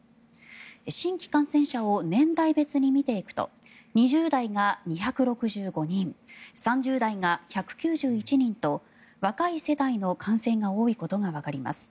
新規感染者を年代別に見ていくと２０代が２６５人３０代が１９１人と若い世代の感染が多いことがわかります。